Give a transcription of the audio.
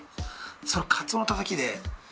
そのカツオのたたきで。